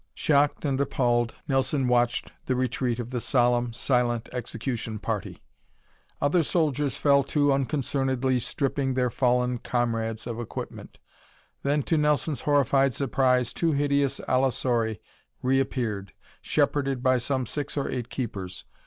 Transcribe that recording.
Shocked and appalled, Nelson watched the retreat of the solemn, silent execution party. Other soldiers fell to unconcernedly stripping their fallen comrades of equipment; then, to Nelson's horrified surprise, two hideous allosauri reappeared, shepherded by some six or eight keepers.